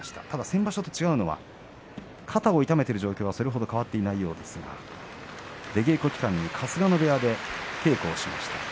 先場所と違うのは肩を痛めているという状況は変わっていないようですが出稽古、春日野部屋で稽古をしました。。